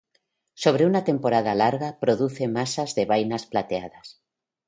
Sobre una temporada larga produce masas de vainas plateadas.